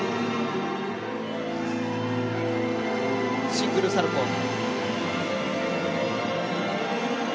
シングルサルコウ。